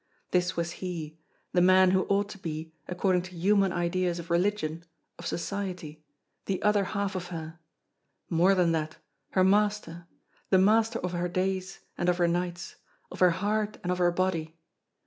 This was he, the man who ought to be, according to human ideas of religion, of society, the other half of her more than that, her master, the master of her days and of her nights, of her heart and of her body!